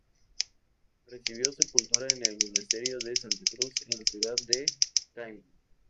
Recibió sepultura en el Monasterio de Santa Cruz en la ciudad de Coímbra.